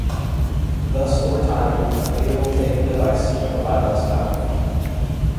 Thus, over time a betavoltaic device will provide less power.